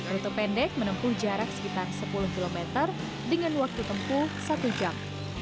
rute pendek menempuh jarak sekitar sepuluh km dengan waktu tempuh satu jam